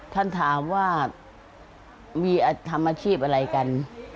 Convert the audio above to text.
ท่านถามว่ามีทำอาชีพอะไรกัน